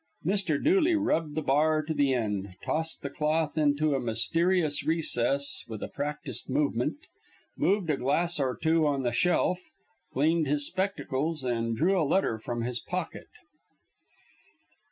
Mr. Dooley rubbed the bar to the end, tossed the cloth into a mysterious recess with a practised movement, moved a glass or two on the shelf, cleaned his spectacles, and drew a letter from his pocket.